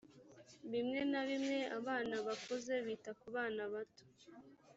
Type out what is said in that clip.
bimwe na bimwe abana bakuze bita ku bana bato